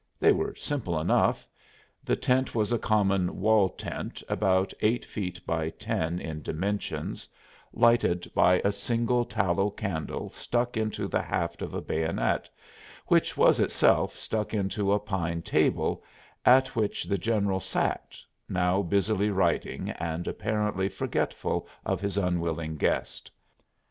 They were simple enough. The tent was a common "wall tent," about eight feet by ten in dimensions, lighted by a single tallow candle stuck into the haft of a bayonet, which was itself stuck into a pine table at which the general sat, now busily writing and apparently forgetful of his unwilling guest.